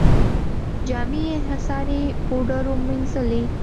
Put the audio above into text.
جامې یې انحصاري پوډرو مینځلې.